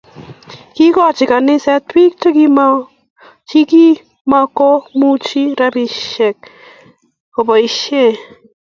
Kikochi kaniset biik chikimko muchi rabisiek koboisie